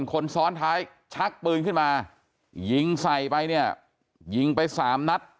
คนซ้อนท้ายชักปืนขึ้นมายิงใส่ไปเนี่ยยิงไปสามนัด